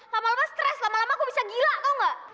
lama lama stress lama lama aku bisa gila tau gak